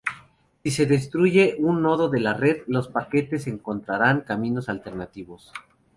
Si se destruye un nodo de la red, los paquetes encontrarán caminos alternativos.